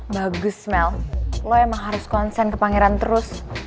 bagus mel lo emang harus konsen ke pangeran terus